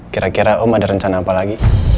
kira kira om ada rencana apa lagi